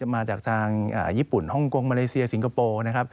มาจากทางญี่ปุ่นฮ่องกงมาเลเซียสิงคโปร์นะครับ